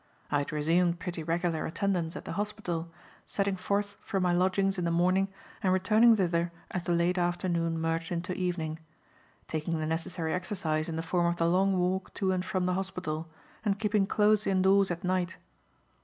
I had resumed pretty regular attendance at the hospital, setting forth from my lodgings in the morning and returning thither as the late afternoon merged into evening; taking the necessary exercise in the form of the long walk to and from the hospital, and keeping close indoors at night.